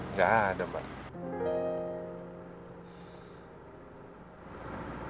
nggak ada mbak